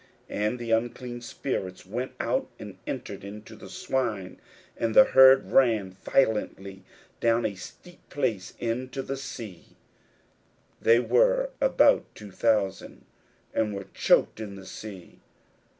And the unclean spirits went out, and entered into the swine: and the herd ran violently down a steep place into the sea, (they were about two thousand;) and were choked in the sea.